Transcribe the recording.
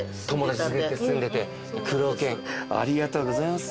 苦労犬ありがとうございます。